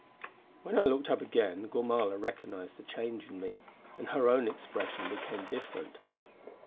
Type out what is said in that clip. When I looked up again Gormala recognised the change in me, and her own expression became different.